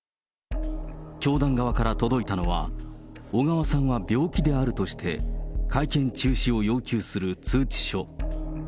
教団側から届いたのは、小川さんは病気であるとして、会見中止を要求する通知書。